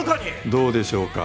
どうでしょうか？